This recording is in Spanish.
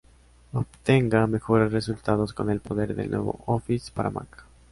Obtenga mejores resultados con el poder del nuevo Office para Mac.